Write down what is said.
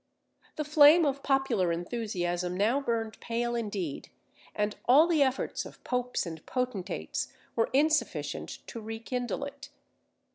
The flame of popular enthusiasm now burned pale indeed, and all the efforts of popes and potentates were insufficient to rekindle it.